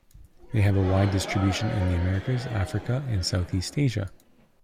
They have a wide distribution in the Americas, Africa and southeast Asia.